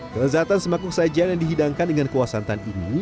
kelezatan semakuk sajian yang dihidangkan dengan kuah santan ini